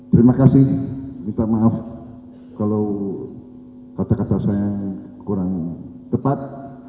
terima kasih minta maaf kalau kata kata saya kurang tepat